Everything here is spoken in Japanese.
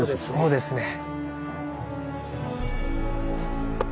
そうですね。